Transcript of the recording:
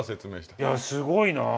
いやすごいな。